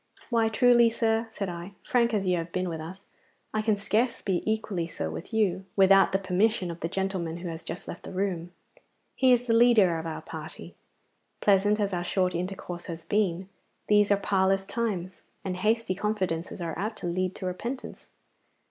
'Why truly, sir,' said I, 'frank as you have been with us, I can scarce be equally so with you, without the permission of the gentleman who has just left the room. He is the leader of our party. Pleasant as our short intercourse has been, these are parlous times, and hasty confidences are apt to lead to repentance.